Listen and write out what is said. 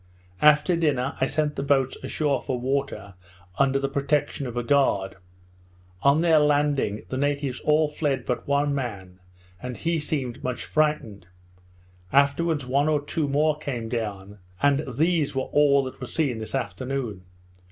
After dinner I sent the boats ashore for water, under the protection of a guard; on their landing, the natives all fled but one man, and he seemed much frightened; afterwards one or two more came down, and these were all that were seen this afternoon.